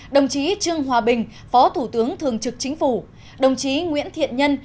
đồng chí trương hòa bình phó thủ tướng thường trực chính phủ đồng chí nguyễn thiện nhân